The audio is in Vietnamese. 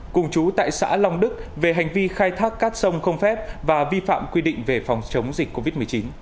cùng chú tại xã long đức về hành vi khai thác cát sông không phép và vi phạm quy định về phòng chống dịch covid một mươi chín